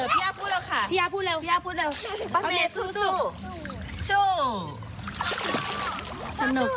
บอกอาเมสู้สู้ก่อนเร็ว